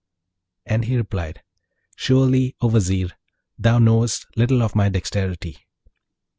And he replied, 'Surely, O Vizier! thou knowest little of my dexterity.'